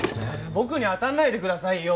僕に当たんないでくださいよ！